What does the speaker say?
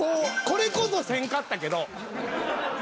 これこそなかったけど。